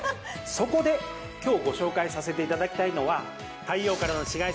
そこで今日ご紹介させていただきたいのは。